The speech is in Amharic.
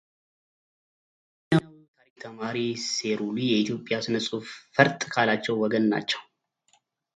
ጣሊያናዊው ታሪክ ተማሪ ሴሩሊ የኢትዮጵያ ሥነ-ጽሑፍ ፈርጥ ካላቸው ወገን ናቸው።